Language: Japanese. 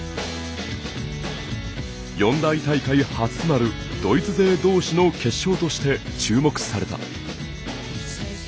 四大大会初となるドイツ勢どうしの決勝として注目された。